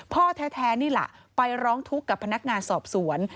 พ่อแท้นี่ล่ะไปร้องทุกข์กับพนักงานสอบสวน